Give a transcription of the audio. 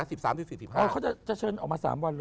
มันจะเชิญออกมามา๓วันเลย